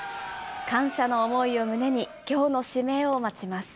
感謝の思いを胸に、きょうの指名を待ちます。